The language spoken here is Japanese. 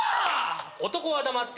男は黙って。